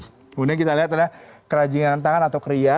kemudian kita lihat ada kerajinan tangan atau kria